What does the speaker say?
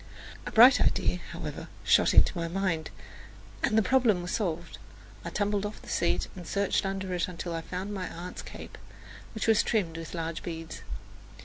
A bright idea, however, shot into my mind, and the problem was solved. I tumbled off the seat and searched under it until I found my aunt's cape, which was trimmed with large beads.